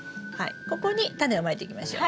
ここにタネをまいていきましょう。